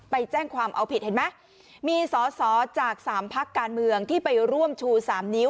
ไปแจ้งความเอาผิดเห็นไหมมีสอสอจากสามพักการเมืองที่ไปร่วมชู๓นิ้ว